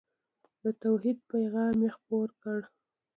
د توحید پیغام یې خپور کړ.